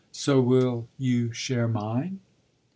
"So will you share mine."